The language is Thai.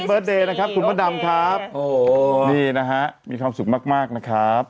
บริษัทนะครับคุณมดดำครับโอ้โหนี่นะฮะมีความสุขมากนะครับ